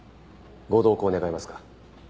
ご同行願えますか？